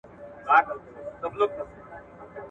د وصل شپې مي د هر خوب سره پیوند وهلي!